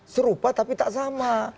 serupa tapi tak sama